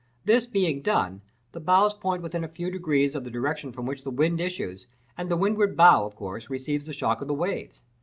This being done, the bows point within a few degrees of the direction from which the wind issues, and the windward bow of course receives the shock of the waves.